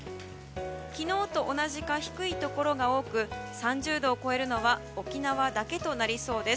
昨日と同じか低いところが多く３０度を超えるのは沖縄だけとなりそうです。